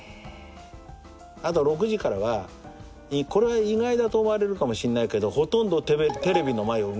あと６時からはこれは意外だと思われるかもしんないけどほとんどテレビの前を動きません。